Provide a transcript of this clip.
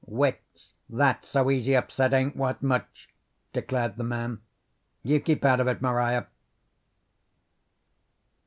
"Wits that so easy upset ain't worth much," declared the man. "You keep out of it, Maria."